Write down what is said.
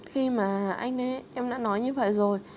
khi mà anh ấy em đã nói như vậy rồi